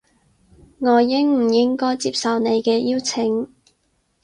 我應唔應該接受你嘅邀請